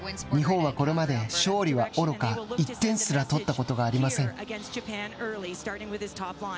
日本はこれまで勝利はおろか１点すら取ったことがありません。